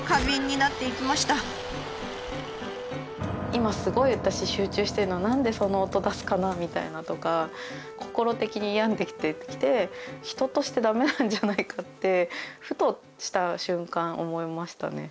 今すごい私集中してるのに何でその音出すかなみたいなのとか心的に病んできてて人として駄目なんじゃないかってふとした瞬間思いましたね。